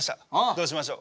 どうしましょう。